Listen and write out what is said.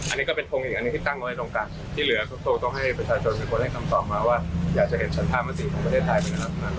อันนี้ก็เป็นโครงอีกอันนี้ก็ตั้งไว้ตรงกลางที่เหลือ